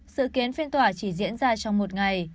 sự kiến phiên tòa chỉ diễn ra trong một ngày